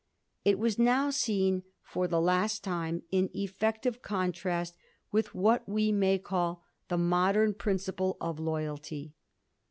It was now seen for the last time in effective contrast with what we may call the modem principle of loyalty.